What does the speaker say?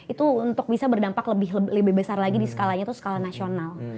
itu untuk bisa berdampak lebih besar lagi di skalanya itu skala nasional